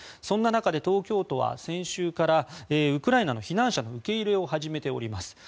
そんな中、東京都は先週からウクライナの避難者の受け入れを始めております。